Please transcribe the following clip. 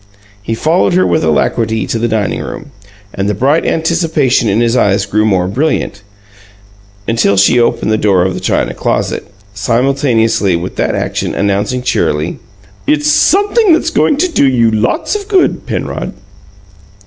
He followed her with alacrity to the dining room, and the bright anticipation in his eyes grew more brilliant until she opened the door of the china closet, simultaneously with that action announcing cheerily: "It's something that's going to do you lots of good, Penrod."